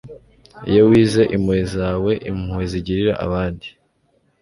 iyo wize impuhwe zawe, impuhwe zigirira abandi